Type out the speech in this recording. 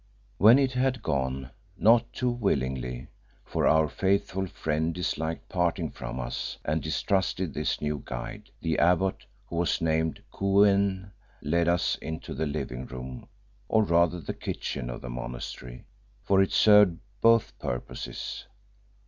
When it had gone, not too willingly for our faithful friend disliked parting from us and distrusted this new guide the abbot, who was named Kou en, led us into the living room or rather the kitchen of the monastery, for it served both purposes.